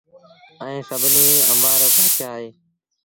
ائيٚݩ سڀنيٚ آݩبآݩ رو بآتشآه اهي